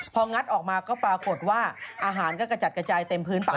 พองัดออกมาก็ปรากฏว่าอาหารก็กระจัดกระจายเต็มพื้นปาก